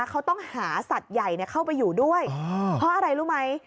เขาต้องหาสัตว์ใหญ่เข้าไปอยู่ด้วยเพราะอะไรรู้ไหม